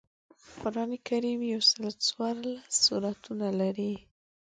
قران کریم یوسل او څوارلس سورتونه لري